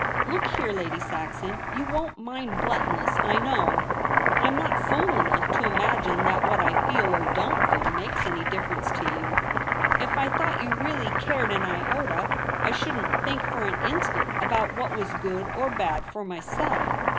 Look here, Lady Saxon, you won't mind bluntness, I know. I'm not fool enough to imagine that what I feel or don't feel makes any difference to you. If I thought you really cared an iota, I shouldn't think for an instant about what was good or bad for myself.